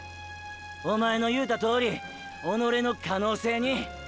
おまえの言うたとおり己の可能性に。